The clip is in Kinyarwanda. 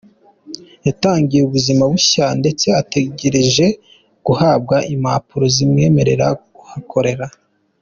Yatangiye ubuzima bushya ndetse ategereje guhabwa impapuro zimwemerera kuhakorera.